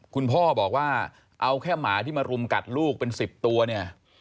คุณพ่อบอกว่าเอาแค่หมาที่มารุมกัดลูกเป็น๑๐ตัวเนี่ย